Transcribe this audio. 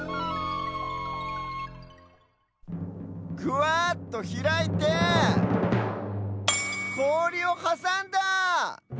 ぐわっとひらいてこおりをはさんだ！